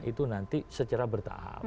itu nanti secara bertahap